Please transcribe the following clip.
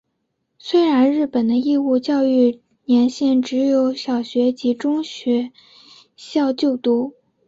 虽然日本的义务教育年限只有小学及中学校就读。